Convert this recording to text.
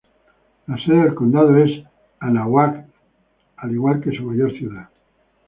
La sede del condado es Anáhuac, al igual que su mayor ciudad.